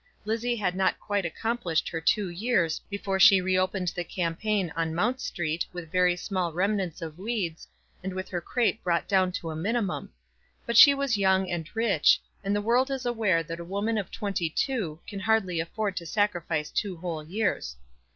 Lizzie had not quite accomplished her two years before she re opened the campaign in Mount Street with very small remnants of weeds, and with her crape brought down to a minimum; but she was young and rich, and the world is aware that a woman of twenty two can hardly afford to sacrifice two whole years.